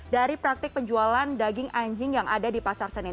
dari praktik penjualan daging anjing yang ada di pasar senen